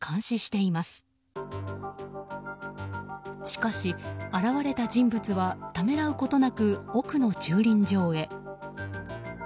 しかし、現れた人物はためらうことなく奥の駐輪場へ。